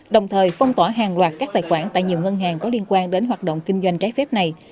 đồng thời phong tỏa hàng loạt các tài khoản tại nhiều ngân hàng có liên quan đến hoạt động kinh doanh trái phép này